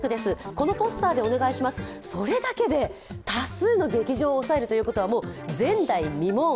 このポスターでお願いします、それだけで多数の劇場を抑えるということはもう前代未聞。